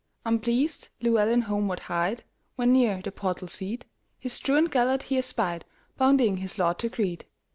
Unpleased Llewelyn homeward hied, When, near the portal seat, His truant Gêlert he espied, Bounding his lord to greet.